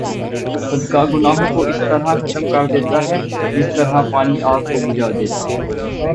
صدقہ گناہوں کو اس طرح ختم کر دیتا ہے جس طرح پانی آگ کو بھجا دیتا ہے